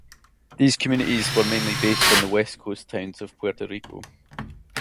These committees were mainly based on the west coast towns of Puerto Rico.